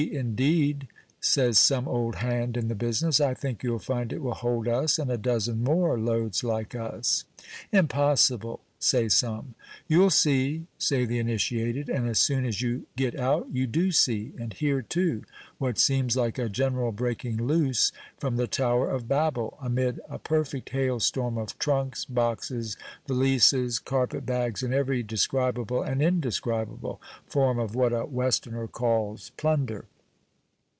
indeed," says some old hand in the business; "I think you'll find it will hold us and a dozen more loads like us." "Impossible!" say some. "You'll see," say the initiated; and, as soon as you get out, you do see, and hear too, what seems like a general breaking loose from the Tower of Babel, amid a perfect hail storm of trunks, boxes, valises, carpet bags, and every describable and indescribable form of what a westerner calls "plunder."